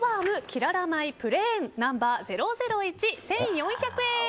きらら米プレーンｎｏ．００１、１４００円。